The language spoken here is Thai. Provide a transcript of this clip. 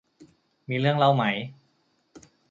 มีเรื่องเล่าไหม